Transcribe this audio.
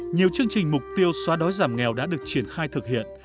nhiều chương trình mục tiêu xóa đói giảm nghèo đã được triển khai thực hiện